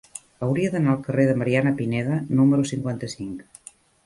Hauria d'anar al carrer de Mariana Pineda número cinquanta-cinc.